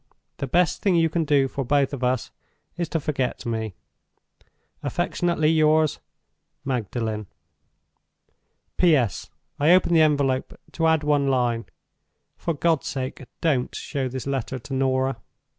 The best thing you can do for both of us is to forget me. Affectionately yours, "MAGDALEN." "P.S.—I open the envelope to add one line. For God's sake, don't show this letter to Norah!"